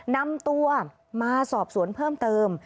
นำตัวมาสอบสวนเพิ่มเติม